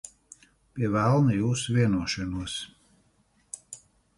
Pie velna jūsu vienošanos.